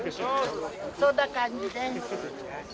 そんな感じです。